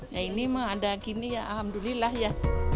ya ini mah ada gini ya alhamdulillah ya